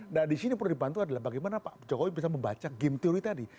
nah disini perlu dibantu adalah bagaimana pak jokowi bisa membaca game theory tadi